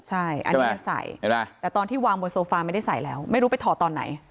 ใช่อันนี้ยังใส่แต่ตอนที่วางบนโซฟาไม่ได้ใส่แล้วไม่รู้ไปถอดตอนไหน